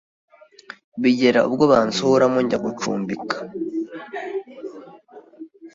bigera ubwo bansohoramo njya gucumbika